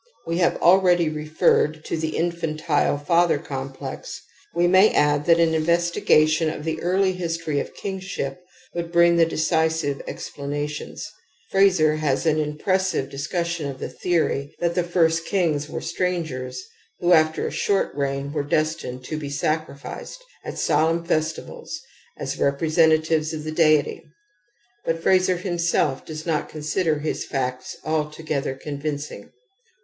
We have already referred to the infantile father complex ; we may add that an investigation of the early history of kingship would bring the decisive explanations. Frazer has an impressive discussion of the theory that the first kings were^ strangers who, after a short reign, were destined to be sacrificed at solemn festivals as representa tives of the deity ; but Frazer himself does not 88 TOTEM AND TABOO consider his facts altogether convincing.